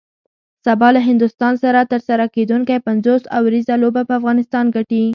سبا له هندوستان سره ترسره کیدونکی پنځوس اوریزه لوبه به افغانستان ګټي